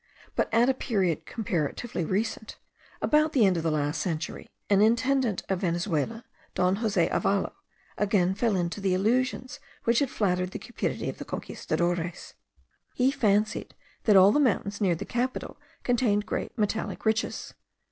But at a period comparatively recent, about the end of the last century, an Intendant of Venezuela, Don Jose Avalo, again fell into the illusions which had flattered the cupidity of the Conquistadores. He fancied that all the mountains near the capital contained great metallic riches.